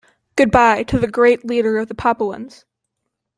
Goodbye to the Great Leader of the Papuans.